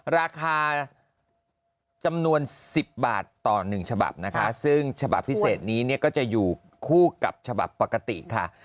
ราคาจำนวน๑๐บาทต่อ๑ฉบับนะคะซึ่งฉบับพิเศษนี้เนี่ยก็จะอยู่คู่กับฉบับปกติค่ะ